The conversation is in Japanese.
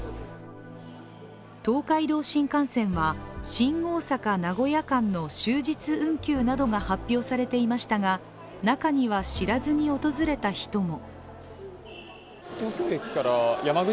東海道新幹線は新大阪−名古屋間の終日運休などが発表されていましたが中には知らずに訪れた人も。